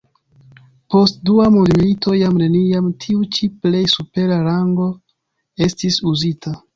Post dua mondmilito jam neniam tiu ĉi plej supera rango estis uzita.